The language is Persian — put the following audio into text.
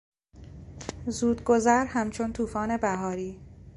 زودگذر همچون توفان بهاری